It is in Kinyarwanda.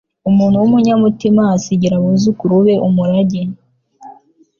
Umuntu w’umunyamutima asigira abuzukuru be umurage